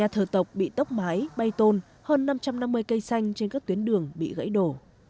ba thờ tộc bị tốc mái bay tôn hơn năm trăm năm mươi cây xanh trên các tuyến đường bị gãy đổ